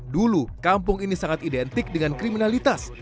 dulu kampung ini sangat identik dengan kriminalitas